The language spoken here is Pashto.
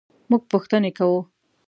مونږ پوښتنې کوو